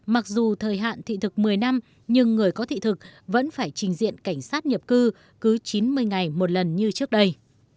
mặc dù thời hạn thị thực một mươi năm nhưng người có thị thực vẫn phải trình diện cảnh sát nhập cư cứ chín mươi ngày một lần như trước đây